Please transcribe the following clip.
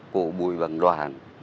cụ bùi văn đoàn